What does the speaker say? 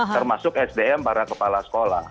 termasuk sdm para kepala sekolah